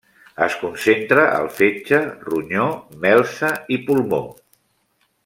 Es concentra al fetge, ronyó, melsa i pulmó.